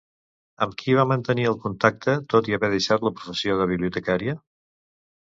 Amb qui va mantenir el contacte tot i haver deixat la professió de bibliotecària?